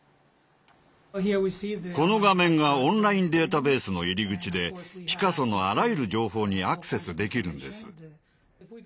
この画面がオンラインデータベースの入り口でピカソのあらゆる情報にアクセスできるんです。